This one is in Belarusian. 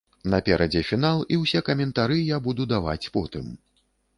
Наперадзе фінал і ўсе каментары я буду даваць потым.